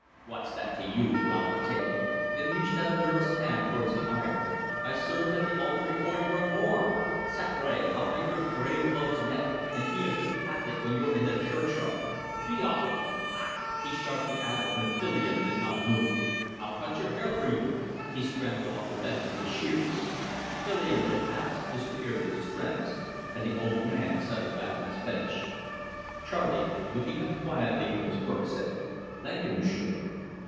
"What's that to you?" growled the tailor, and reached out a nervous hand towards the iron. "I served at the altar before you were born. Sacre! I'll make your grave clothes yet, and be a good Catholic when you're in the churchyard. Be off with you. Ach," he sharply added, when Filion did not move, "I'll cut your hair for you!" He scrambled off the bench with his shears. Filion Lacasse disappeared with his friends, and the old man settled back on his bench. Charley, looking up quietly from his work, said "Thank you, Monsieur."